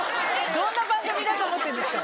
どんな番組だと思ってんですか？